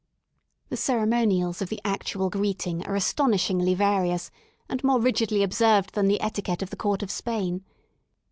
The ceremonials of the actual greeting are astonish ingly various and more rigidly observed than the etiquette of the Court of Spain.